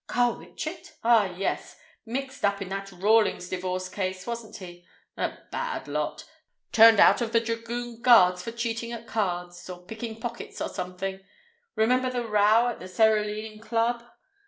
"Carwitchet? Ah, yes. Mixed up in that Rawlings divorce case, wasn't he? A bad lot. Turned out of the Dragoon Guards for cheating at cards, or picking pockets, or something—remember the row at the Cerulean Club?